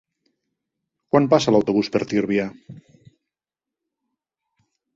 Quan passa l'autobús per Tírvia?